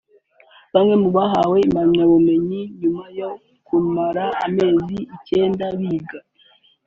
Bamwe mu bahawe inyemezabumenyi nyuma yo kumara amezi icyenda biga